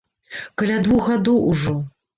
Каля двух гадоў ужо.